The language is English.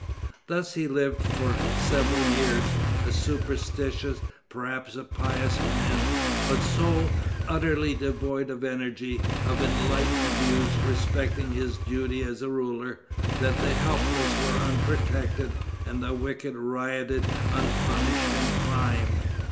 Thus he lived for several years, a superstitious, perhaps a pious man; but, so utterly devoid of energy, of enlightened views respecting his duty as a ruler, that the helpless were unprotected, and the wicked rioted unpunished in crime.